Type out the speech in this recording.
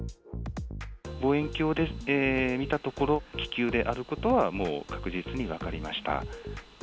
望遠鏡で見たところ、気球であることはもう確実に分かりました。